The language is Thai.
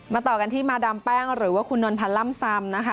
ต่อกันที่มาดามแป้งหรือว่าคุณนวลพันธ์ล่ำซำนะคะ